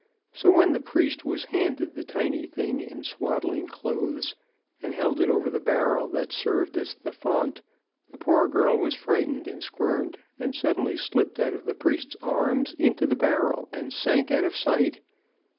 So when the priest was handed the tiny thing in swaddling clothes and held it over the barrel that served as the font, the poor girl was frightened and squirmed, and suddenly slipped out of the priest's arms into the barrel and sank out of sight.